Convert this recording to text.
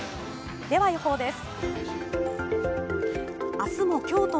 では予報です。